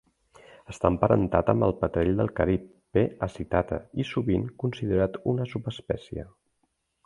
Està emparentat amb el petrell del carib "P. hasitata", i sovint considerat una subespècie.